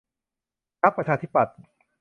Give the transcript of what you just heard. พรรคประชาธิปัตย์